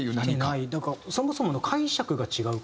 なんかそもそもの解釈が違う感じが。